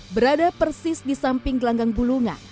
berada persis di samping gelanggang bulungan